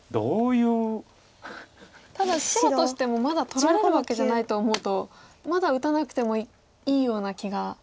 まだ取られるわけじゃないと思うとまだ打たなくてもいいような気が。